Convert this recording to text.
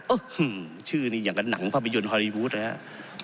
อืมชื่อนี้อย่างกับหนังภาพยนตร์ฮอลลีวูดนะครับ